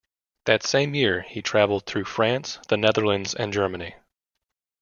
That same year he travelled through France, the Netherlands and Germany.